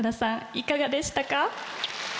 いかがでしたか？